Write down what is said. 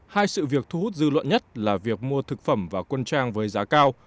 hai sự việc thu hút dư luận nhất là việc mua thực phẩm và quân trang với giá cao